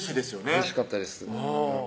うれしかったです